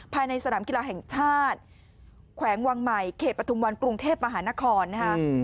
ภายในสนามกีฬาแห่งชาติแขวงวังใหม่เขตปฐุมวันกรุงเทพมหานครนะคะ